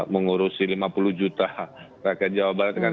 mengurusi lima puluh juta rakyat jawa barat dengan